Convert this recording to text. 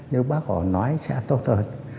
như bác họ nói sẽ tốt hơn